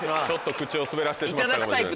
ちょっと口を滑らせてしまった。